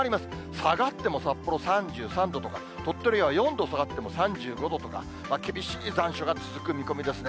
下がっても札幌３３度とか、鳥取では４度下がっても３５度とか、厳しい残暑が続く見込みですね。